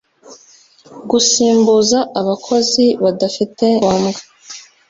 Gusimbuza abakozi badafite ibyangombwa